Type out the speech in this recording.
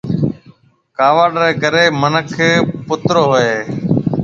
ڪاوڙ ريَ ڪريَ مِنک پترو هوئي هيَ۔